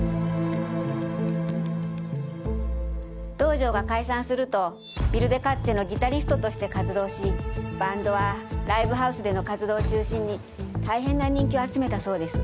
道場が解散するとＷＩＬＤＥＫＡＴＺＥのギタリストとして活動しバンドはライブハウスでの活動を中心に大変な人気を集めたそうです。